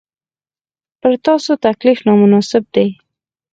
پر تاسو تکلیف نامناسب دی.